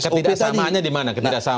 nah ketidaksamaannya dimana